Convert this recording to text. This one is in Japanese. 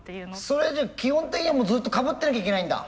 それじゃあ基本的にはもうずっとかぶってなきゃいけないんだ？